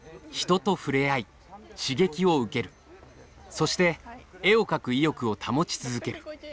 そして絵を描く意欲を保ち続ける。